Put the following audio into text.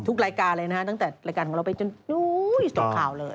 รายการเลยนะฮะตั้งแต่รายการของเราไปจนตกข่าวเลย